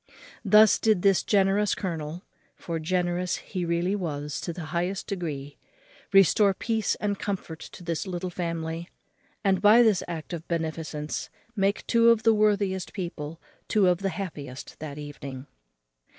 Thus did this generous colonel (for generous he really was to the highest degree) restore peace and comfort to this little family; and by this act of beneficence make two of the worthiest people two of the happiest that evening.